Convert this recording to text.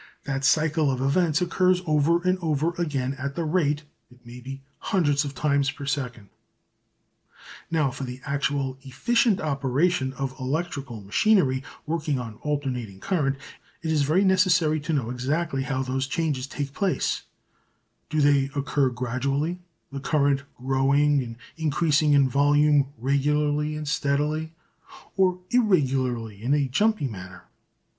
That cycle of events occurs over and over again at the rate it may be of hundreds of times per second. Now for the actual efficient operation of electrical machinery working on alternating current it is very necessary to know exactly how those changes take place do they occur gradually, the current growing and increasing in volume regularly and steadily, or irregularly in a jumpy manner?